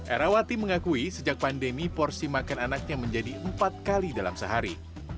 erawati mengakui sejak pandemi porsi makan anaknya menjadi empat kali dalam sehari